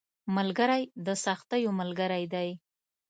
ملګری د سختیو ملګری دی